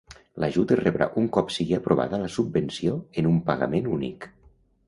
L'ajut es rebrà un cop sigui aprovada la subvenció en un pagament únic.